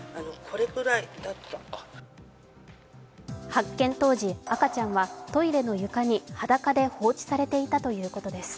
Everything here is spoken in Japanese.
発見当時、赤ちゃんはトイレの床に裸で放置されていたということです。